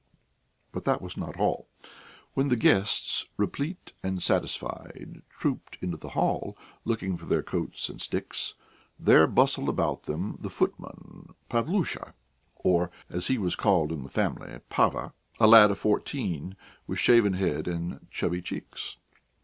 But that was not all. When the guests, replete and satisfied, trooped into the hall, looking for their coats and sticks, there bustled about them the footman Pavlusha, or, as he was called in the family, Pava a lad of fourteen with shaven head and chubby cheeks.